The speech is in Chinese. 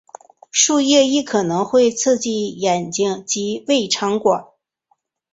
树液亦可能会刺激眼睛及胃肠管。